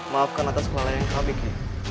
maafkan atas kelalaian kami kek